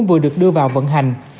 cũng vừa được đưa vào vận hành